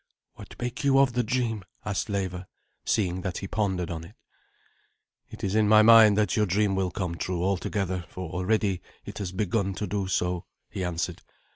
"What make you of the dream?" asked Leva, seeing that he pondered on it. "It is in my mind that your dream will come true altogether, for already it has begun to do so," he answered.